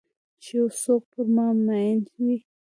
چې یو څوک پر مامین وي